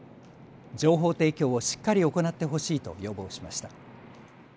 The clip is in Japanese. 情報提供をしっかり行ってほしいと要望しました。